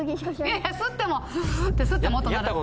いやいや吸ってもフって吸っても音鳴る。